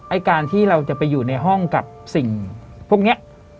ไอ้การที่เราจะไปอยู่ในห้องกับสิ่งพวกนี้